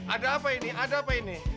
ada apa ini ada apa ini